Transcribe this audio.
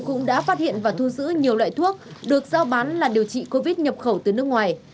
cũng đã phát hiện và thu giữ nhiều loại thuốc được giao bán là điều trị covid nhập khẩu từ nước ngoài